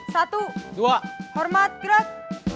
satu dua hormat gerak